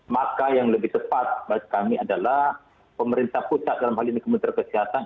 maka yang lebih tepat bagi kami adalah pemerintah pusat dalam hal ini kementerian kesehatan